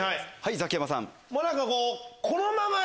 ザキヤマさん。